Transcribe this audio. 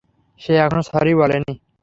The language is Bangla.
সে এখনও সরি বলেনি!